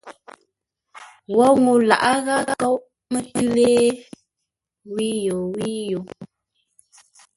Wǒ ŋuu laghʼ ghâa nkóʼ mətʉ́ lée wíyo wíyo.